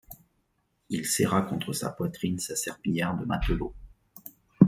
Il serra contre sa poitrine sa serpillière de matelot.